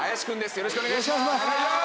よろしくお願いします！